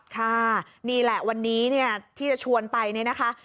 ค่ะนี่แหละวันนี้เนี่ยที่จะชวนไปเนี่ยนะคะ